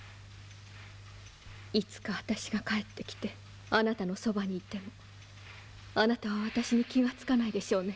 いつか私が帰ってきてあなたのそばにいてもあなたは私に気が付かないでしょうね。